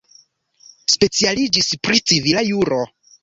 Specialiĝis pri civila juro.